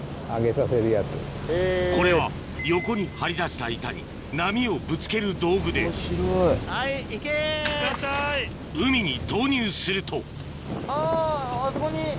これは横に張り出した板に波をぶつける道具で海に投入するとあぁあそこに。